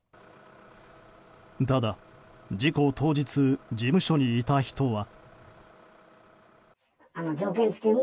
ただ、事故当日事務所にいた人は。